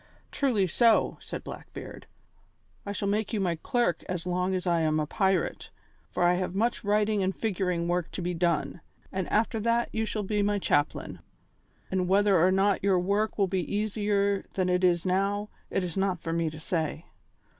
"Truly so," said Blackbeard. "I shall make you my clerk as long as I am a pirate, for I have much writing and figuring work to be done, and after that you shall be my chaplain. And whether or not your work will be easier than it is now, it is not for me to say."